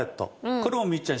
これもみっちゃん